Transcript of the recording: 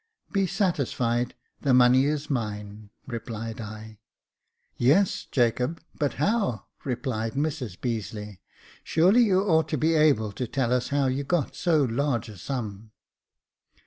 " Be satisfied, the money is mine," replied I. *' Yes, Jacob, but how ?" replied Mrs Beazeley ," surely you ought to be able to tell how you got so large a sum."